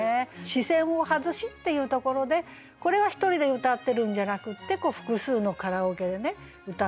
「視線を外し」っていうところでこれは１人で歌ってるんじゃなくって複数のカラオケで歌っている。